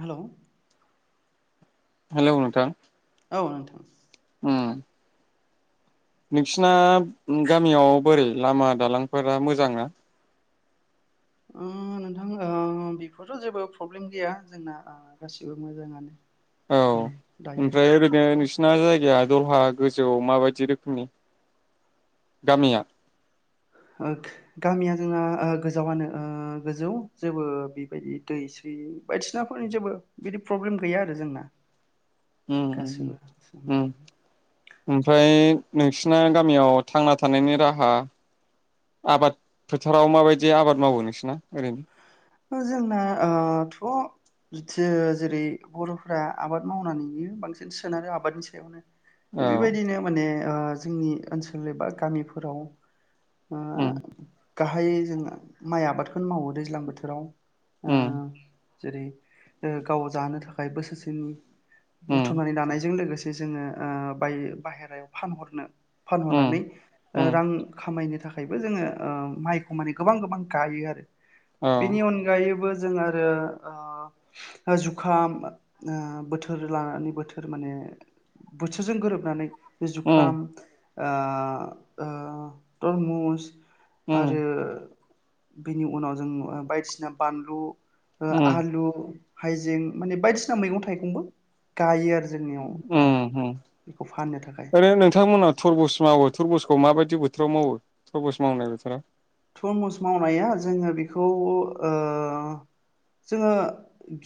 हेल'। Hello नोंथां। औ नोंथां। उम। नोंसिना गामियाव बोरै लामा दालांफोरा मोजां ना? ओ नोंथां ओ बेफोर' जेबो प्रब्लेम गैया जोंना ओ गासिबो मोजाङानो औ माने दायो ओमफ्राय ओरैनो ओ नोंसिना जायगाया दलहा गोजौआव माबायदि रोखोमनि गामिया? ओ गामिया जोंना ओ गोजावानो ओ गोजौ जेबो बेबायदि दै सै बायदिसिनाफोरनि जेबो बिदि प्रब्लेम गैया आरो जोंना। ओम गासिबो ओम ओम ओमफ्राय नोंसिना गामियाव थांना थानायनि राहा आबाद फोथाराव माबायदि आबाद मावो नोंसिना ओरैनो? जोंना ओ थ' बिदि जेरै बर'फोरा आबाद मावनानै बांसिन सोनारो आबादनि सायावनो औ बेबायदिनो माने। ओ जोंनि ओनसोल एबा गामिफोराव ओ उम गाहायै जोंङो माइ आबादखौनो मावो दैज्लां बोथोर राव। उम। जेरै ओ गाव जानो थाखाय बोसोरसेनि उम बुथुमनानै दानायजों लोगो से जोङो ओ बाय बाहेरायाव फानहरनो उम फानहरनानै ओ उम रां खामायनो था थाखायबो जोङो ओ माइखौ माने गोबां गोबां गायो आरो। औ बेनि अनगायैबो जों आरो ओ जुखाम ओ बोथोर लानानै बोथोर माने बोथोरजों गोरोबनानै उम जुखाम ओ ओ तरमुस आरो उम बेनि उनाव जों बायदिसिना बानलु ओ उम आलु हाइजें माने बायदिसिना मैगं थाइगंबो गायो आरो जोंनियाव ओम ओ होम बेखौ फाननो थाखाय ओरै नोंथांमोना थरबस मावो थरबस माबायदि बोथोराव मावो थरमुस मावनाय बोथोराव? थरमुस मावनाया जोङो बेखौ ओ जोङो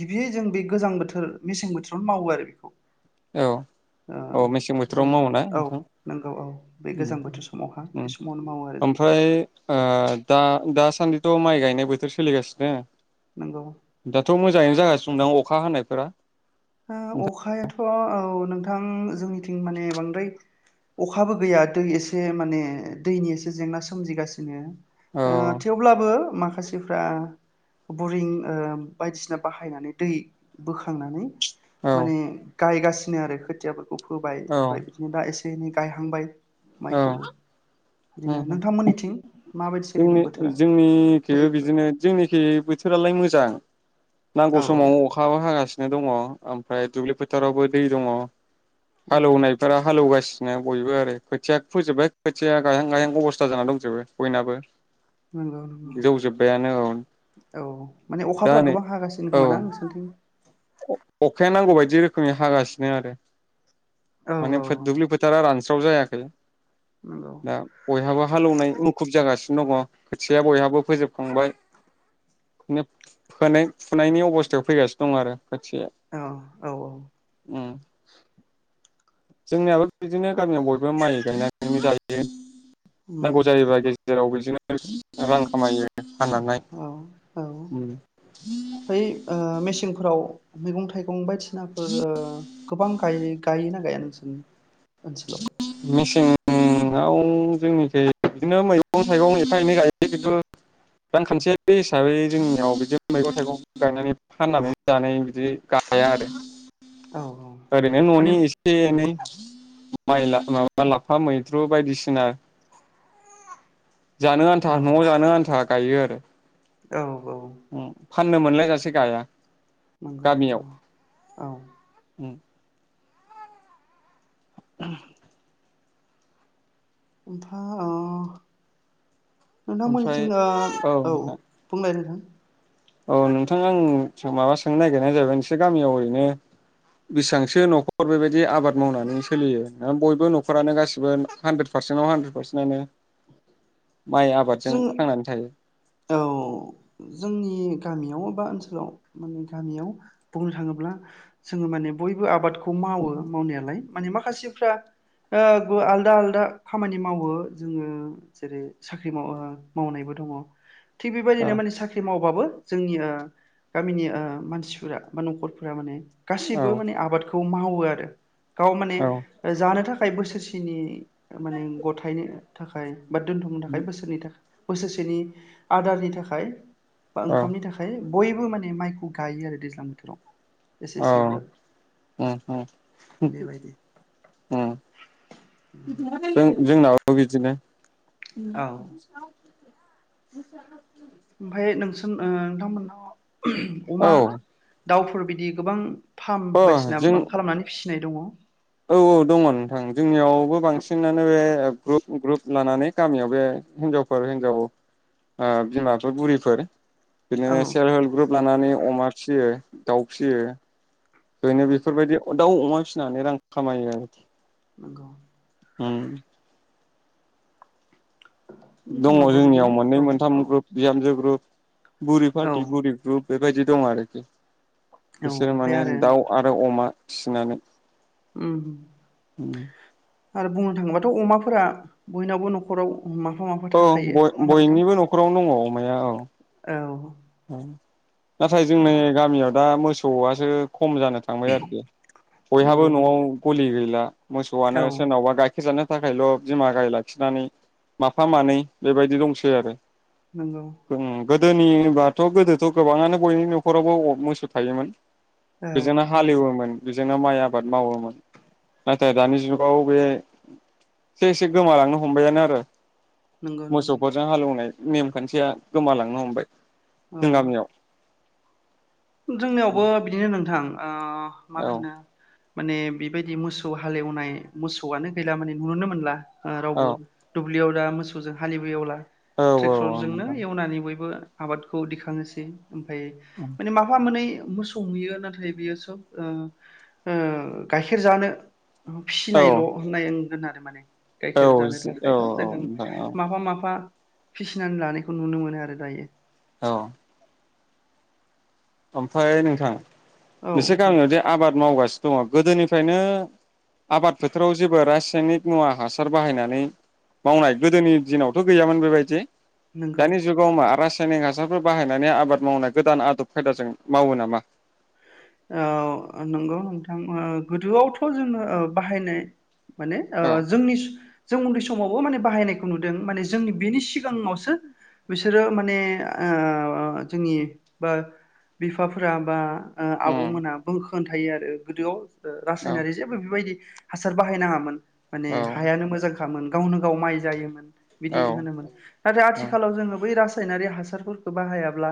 गिबियै जों बे गोजां बोथोर मेसें बोथोरावनो मावो आरो बेखौ औ ओ औ मेसें बोथोराव जोङो मावोना औ नोंथां नंगौ औ बे उम गोजां बोथोर समावहा उम बे समावनो मावो आरो जों बेखौ। ओमफ्राय ओ दा दास सान्दिथ माइ गायनाय बोथोर सोलिगासि नो नोंगौ जाङैनो जागासिनदां अखा हानायफोरा? ओ नोंथां? अखाायथ' थ' औ नोंथां जोंनिथिं माने बांद्राय अखाबो गैया दै एसे माने दैनि एसे जेंना सोमजिगासिनो औ ओ थेवब्लाबो माखासे फ्रा बरिं ओ बायदिसिना बाहायनानै दै बोखांनानै औ माने गायगासि सिनो आरो खाथियाफोर खौ फोबाय ओमफ्राय औ बिदिनो दा एसे से एनै गायहांबाय औ माइखौबो उम बिदिनो उम नोंथांमोननिथिं? माबायदि सोलिदों जोंनि बोथोरा जोंनिखिबो दैफोर बिदिनो जोंनिखि बोथोरालाय मोजां नांगौ औ औ समाव अखाबो हागासि नो दङ ओम फ्राय दुब्लि फोथारावबो दै दङ औ हालौनायफोरा हालौगासि नो बयबो आरो खोथिया फोजोबबाय खोथिया गायहां गायहां अबस्था जाना दंजोबो बयनाबो नंगौ नंगौ जौजोब्बायानो औ औ माने दा अखाफोरा नै गोबां हागासिनो खोमा ना औ नोंसानथिं अखाया नांगौ बायदि रोखोमनि हागासिनो आरो औ माने फोद औ दुबलि फोथारा रानस स्राव जायाखै। नंगौ दा बयहाबो हालौवनाय मुखुब जागासि दङ खोथियाया बयहाबो फोजोबखांबाय नो फोनाय फुनायनि अबस्थायाव फैगासिनो दं आरो। खोथियाया औ औ औ उम जोंनियाबो बिदिनो गामियाव बयबो माइ गायनानै जायो। उम नांगौ जायोबा गेज बेजोंनो रां खामायो फाननानै औ औ बै ओ मेचन फोराव मैगं थाइगं फं बाय थिनाफोर गोबां गाय गायोना गाया नोंसोर? [unintelligible] आाव जोंनिख बिदिनो मैगं थाइगं एफा एनै गायो खिन्थु रांखान्थि हिसाबै जोंनियाव बिदिनो मैगं थाइगं गायनानै फाननानै जनानै बिदि गाया आरो। औ ओरैनो माने न'नि एसे उम एनै [inaudible] माइ माबा लाफा मैद्रु बायदिसिना जानो आन्था औ न'आव जानो आन्था गायो आरो औ औ फाननो मोनलायजासे गाया। नंगौ गामियाव औ औ उ अ फा नोंथांमोननि ओमफ्राय सिङ औ बुंनाय नोंथां? औ नोंथांा आं माबा सोंनो नागिरनाय जाहैबाय नोंसोर गामियाव ओरैनो बिसिसबांसो न'खर बेबायदि आबाद मावनानै सोलियो बयबो न'खरानो गासिबो हानद्रेद पारसेन्टआव हानद्रेद पारसेटनो जों औ जोंनि गामियाव बबा ओनसोलाव माने गामियाव बुंनो थाङोब्ला जोङो माने बयबो आबादखौ बे खौ मावो मावनायालाय माने माखासेफ्रा आलदा आलदा खामानि मावो जोङो जेरै साख्रि फाख्रि माव मावनायबो दङ। थिग बेबायदिनो मान साख्रि मावो। अबाबबो जोंनि गामिनि मानसिफोरा बा न'खरफोरा माने गाससिबो औ माने आबादखौ मावो। आरो गाव माने औ जानो थाखाय फाइभ बोसोरसेनि माने गथायनो थाखाय बा दोन्थ' फाइभ बोसोरनि थाखाय बोसोरसेनि आदारनि थाखाय बा औ ओंखामनि थाखाय बयबो माने माइखौ गायो आरो दैज्लां बोथोराव एसे अ ओम एसेब्लाबो ओम बेबायदि ओम जों जोंनाव [unintelligible] ओम औ [unintelligible] ओमफाय नोंसोन ओ नोंथांमोननाव औ अमा दाउफोर बिदि गोबां फार्म अ बायदिसिना जों खालामनानै फिसि फिनाय दङ औ औ दङ नोंथां जोंनियावबो बांसिनानो बे ग्रुप ग्रुप लानानै गामियाव बे हिनजावफोर हिनजाव ओ बिमाफोर बुरिफोर बिदिनो सेल्फ हेल्प ग्रुप लानानै अमा फिसियो दाउ फिसियो ओरैनो बेफोरबायदि दाउ अमा फिसिनानै रां खामायो आरो नोंगौ ओम दङ जोंनावबो जोंनियाव बिदिनो मोननै औ मोनथाम औ ग्रुप बिहामजो ग्रुप बुरि औ पार्टि बुरि ग्रुप बेबायदि दं आरोखि औ बिसोर ओमफ्राय माने आरो दाउ आरो अमा फिसिनानै ओम ओम आरो बुंनो थाङोबाथ अमाफोरा बयनावबो नखराव माफा माफा अ थाखायो बय नङा होमबा नोंथां बयनिबो नखरावनो दङ अमाया औ औ ओम नाथाय जोंनि अमा गामियाव दा मोसौ सौआसो खम जानो थांबाय आरोखि बयहाबो नंगौ नआव नंगौ गलि गैला मोसौआनो औ सोरनावबा गाइखेर जानो थाखायल बिमा गाय लाखिनानै माफा मानै बेबायदि दंसै आरो नोंगौ गोदोनि बाद थ गोदोथ गोबाङानो बयनि नखरावबो मोसौ थायोमोन औ बेजोंनो नंगौ हालेवोमोन जोंनाव माइ आबाद मावोमोन नाथाय दानि जुगाव बे एसे एसे गोमालांनो हमबायानो आरो नंगौ नंगौ मोसौफोरजों हालौवनाय नेमखान्थिया गोमालांनो हमबाय औ जों गामियाव जोंनियावबो बिदिनो नोंथां ओ मा औ होनो माने बेबायदि मोसौ हालेवनाय मोसौआनो गैला माने नुुनोनो मोनला ओ औ रावबो दुब ब्लियाव दा मोसौजों हालिबो एवला औ औ ट्रेक्टरजोंनो नोंथां एवनानै बयबो आबादखौ दिखांनोसै ओमफाय फा मोनै मोसौ नुयो नाथाय बियो सोब ओ ओ गाइखेर जानो [unintelligible] औ फिसिनायल' होननायगोन आरो माने औ गाइखेर जानो थाखायथ' औ जोङो नोंथां औ माफा माफा फिसिनानै लानायखौ नुनो मोनो आरो दायो औ ओमफाय नोंथां औ बिसोर गामियाव दे आबाद मावगासिनो दङ' गोदोनिफ्रायनो आबाद फोथोराव जेबो रासायनिक मुवा हासार बाहायनानै मावनाय गोदोनि दिनावथ' गैयामोन बेबायदि नंगौ दानि जुगाव मा रास सायनिक हासारफोर बाहायनानै आबाद मावनाय गोदान आदब खायदाजों मावो नामा? औ नंगौ नोंथां ओ गोदोआवथ' जोङो ओ बाहायनाय माने ओ औ जोंनिज जों उन्दै सम समावबो माने बाहायनायखौ नुदों माने जोंनि बेनि सिगाङावसो बिसोरो माने ओ जोंनि बा बिफाफोरा बा ओ उम आबौमोनहाबो गोबां थायो आरो गोदोआव ओ औ रासायनारि जेबो बेबायदि हासार बाहायनाङामोन माने औ हायानो मोजां खामोन गावनो गाव माइ जायोमोन बिदि होनोमोन नाथाय औ आथिखालाव जोङो बै रास सायनारि हासारफोरखौ बाहायाब्ला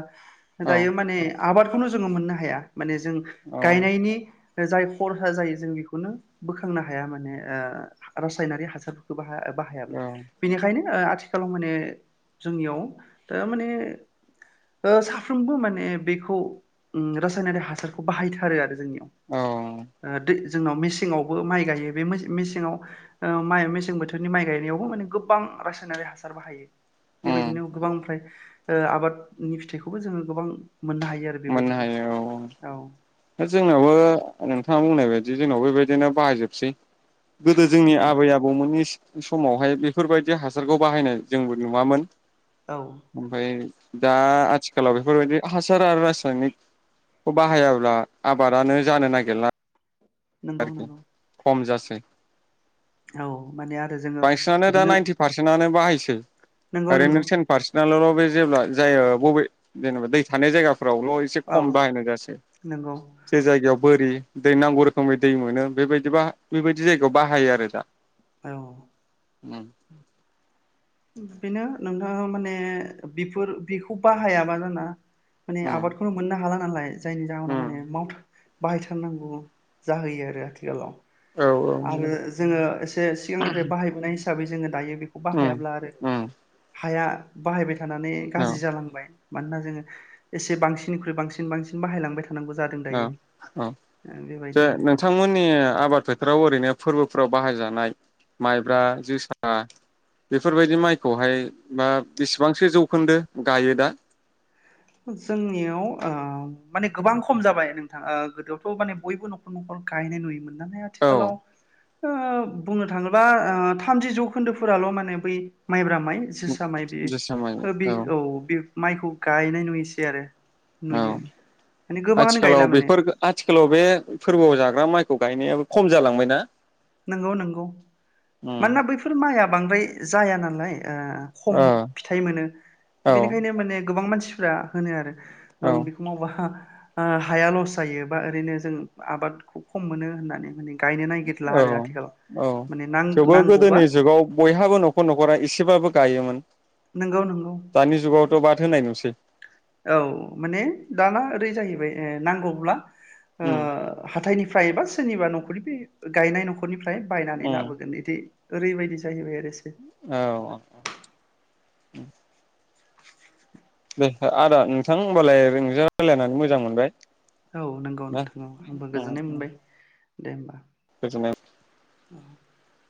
दायो माने आबादखौनो जोङो मोननो हाया। माने जों औ गायनायनि जाय खरसा जायो जों बेखौनो बोखांनो हाया माने ओ रासायनारि हासारफोरखौ बाहाया बाहायाबो औ बेनिखायनो ओ आथिखालाव माने जोंनियाव माने ओ साफ्रोमबो माने बेखौ ओम रासायनारि हासारखौ बाहायथारो आरो जोंनियाव औ ओ दै जोंनाव मेसेंआवबो माइ गायो बे मेसेंआव ओ माइ मेसें बोथोरनि माइ गायनायावबो माने गोबां रासायनारि हासार बाहायो। उम बेबायदिनो गोबांफ्राय ओ आबादनि फिथाइखौबो जोङो गोबां मोननो हायो आरो मोननो बेबायदिजों हायो औ औ जोंनावबो नोंथाङा बुंनाय बाय दि जोंनावबो बेबायदिनो बाहायजोबसै गोदो जोंनि नंगौ आबै आबौमोननि समावहाय बेफोरबायदि हासारखौ बाहायनाय जोंबो नुवामोन औ ओमफाय दा आथिखालाव बेफोरबायदि हासार आरो रा सायनिकखौ बाहायाब्ला आबादानो जानो नागिरला नंगौ आरोखि नंगौ खम जा यो औ माने आरो जोङो बिदिनो सै नंगौ आरो नंगौ नों तेन फार्सेनाल' जेब्ला जायो बबे जेनेबा दै थानाय जायगा फ्रावल' एसे औ खम बायनाय नंगौ [unintelligible] जे जायगायाव बोरि दै नांगुर समै दै मोनो बेबायदि ब बेबायदि जायगायाव बाहायो आरो दा औ उ बेनो नोंथाङा माने बेफोर बेखौ बाहायाबा जाना माने उम आबादखौनो मोननो हाला नालाय जायनि जाहोनाव उम माने माउथ बाहायथारनांगौ जाहैयो आरो आथिखालाव औ नंगौ आरो जोङो एसे सिगांनिफ्राय बाहायबोनाय हिसाबै जोङो दायो बेखौ उम बाहायाब्ला उम [inaudible] हाया बाहायबाय था थानानै औ गाज्रि जालांबाय मानोना जोङो एसे बांसिननिख्रुइ बांसिन बांसिन बाहायलांबाय था औ औ जे बेबायदि आरो नोंथांमोननि आबाद फो थाराव ओरैनो फोरबोफोराव बाहाय जानाय माइब्रा जोसा बेफोरबायदि माइखौहाय बा बेसेबांसो जौखोन्दो गायो दा? जोंनियाव ओ माने गोबां खम जाबाय नोंथाङा गोदोआवथ' माने बयबो न'खर न'खर गायनाय नुयोमोन। नाथाय औ आथिखालाव ओ बुंनो थाङोबा थामजि जौखोन्दोफोराल' माने बै माइब्रा जोसा माइ जोसा माइ बे औ माइखौ गायनाय नुयोसै आरो। औ नुयो माने गोबाङानो आथिखालाव गायला माने बेफोर आथिखालाव बे फोरबोआव जाग्रा माइखौ गायनायाबो खम जालांबाय ना? नंगौ नंगौ मानोना बैफोर माइआ बांद्राय जाया नालाय ओ खम ओ फिथाइ मोनो औ बेनिखायनो माने गोबां मानसि मानसिफ्रा होनो आरो। औ ओं बेखौ मावबा ओ हाया लस जायो बा ओरैनो जों आबादखौ खम मोनो होननानै माने गायनो नागिर औ औ औ थेवबो नांगौबा गोदोनि जुगाव बयहाबो न'खर न'खरा एसेबाबो गायोमोन। नोंगौ नोंगौ दानि जुगावथ' बाद होनाय नुसै। औ माने दाना ओरै जाहैबाय ओ नांगौब्ला ओ उम हाथायनि फ्राय बा सोरनिबा न'खरनि बे गायना नखरनिफ्राय बायनानै औ लाबोगोन इदि ओरैबायदि जाहैबाय आरो सो उम दे आदा नोंथां होमबालाय नोंजों रायलायनानै मोजां मोनबाय । औ नंगौ नोंथां औ आंबो उम गोजोननाय मोनबाय । दे होमबा [unintelligible] [inaudible]